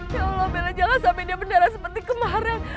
ya allah bella jangan sampai dia beneran seperti kemarin